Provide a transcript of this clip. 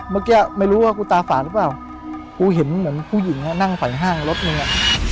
เมื่อกี้ไม่รู้ว่ากูตาฝาดหรือเปล่ากูเห็นเหมือนผู้หญิงนั่งฝ่ายห้างรถหนึ่งอ่ะ